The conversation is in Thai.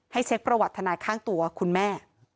เช็คประวัติทนายข้างตัวคุณแม่